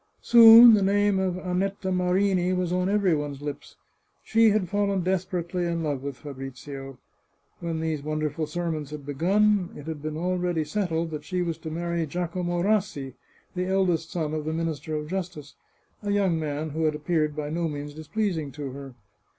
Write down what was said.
Soon the name of Annetta Marini was on every one's lips. She had fallen desperately in love with Fabrizio. When these wonderful sermons had begun, it had been already settled that she was to marry Giacomo Rassi, the eldest son of the Minister of Justice, a young man who had appeared by no means displeasing to her.